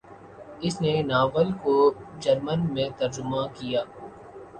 اس نے ناول کو جرمن میں ترجمہ کیا۔